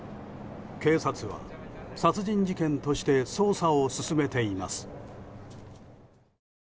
警察は殺人事件として捜査を進めています。